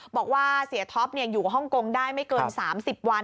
บอกว่าเสียท็อปอยู่กับฮ่องกงได้ไม่เกิน๓๐วัน